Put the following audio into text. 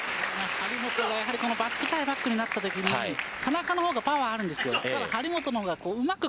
張本のバック対バックになったときに田中の方がパワーがあるんです。